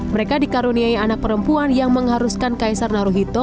mereka dikaruniai anak perempuan yang mengharuskan kaisar naruhito